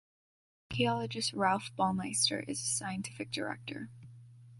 Archeologist Ralf Baumeister is the scientific director.